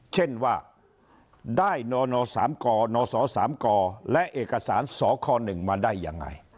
เช่นว่าได้นสสและเอกสารสคหนึ่งมาได้ยังไง